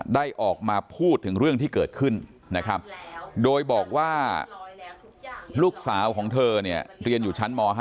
ได้ออกมาพูดถึงเรื่องที่เกิดขึ้นนะครับโดยบอกว่าลูกสาวของเธอเนี่ยเรียนอยู่ชั้นม๕